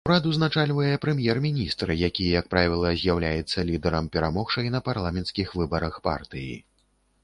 Урад узначальвае прэм'ер-міністр, які, як правіла, з'яўляецца лідарам перамогшай на парламенцкіх выбарах партыі.